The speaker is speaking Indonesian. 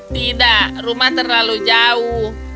tidak rumah terlalu jauh